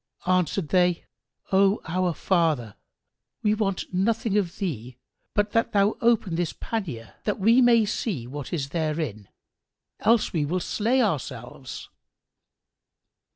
Answered they, "O our father, we want nothing of thee but that thou open this pannier that we may see what is therein, else we will slay ourselves."